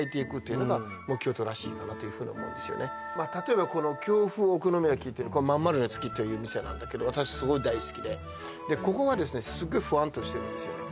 例えばこの京風お好み焼きってまんまるの月という店なんだけど私すごい大好きででここはですねすごいふわんとしてるんですよね